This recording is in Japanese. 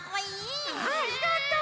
あありがとう！